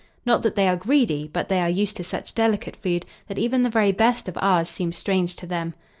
Not that they are greedy; but they are used to such delicate food that even the very best of ours seems strange to them.